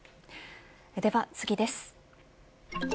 では次です。